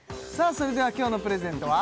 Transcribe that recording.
それでは今日のプレゼントは？